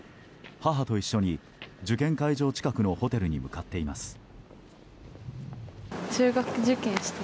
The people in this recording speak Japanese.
母と一緒に、受験会場近くのホテルに向かっています。